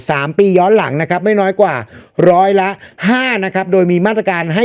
สามปีย้อนหลังนะครับไม่น้อยกว่าร้อยละห้านะครับโดยมีมาตรการให้